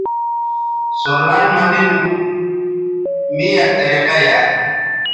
سورلنڈ مہ نِن می یک طریقہ یائ